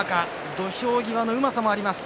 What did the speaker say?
土俵際のうまさもあります。